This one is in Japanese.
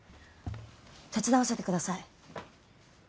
手伝わせてください。